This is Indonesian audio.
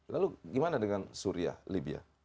lalu gimana dengan syria libya